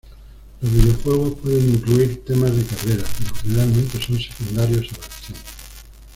Los videojuegos pueden incluir temas de carreras, pero generalmente son secundarios a la acción.